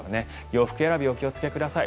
洋服選び、お気をつけください。